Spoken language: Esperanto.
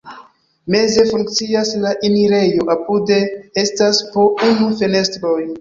Meze funkcias la enirejo, apude estas po unu fenestroj.